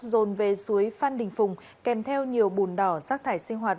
dồn về suối phan đình phùng kèm theo nhiều bùn đỏ rác thải sinh hoạt